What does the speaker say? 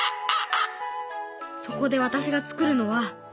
そこで私がつくるのは。